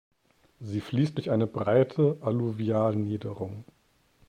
Sie fließt durch eine breite Alluvialniederung.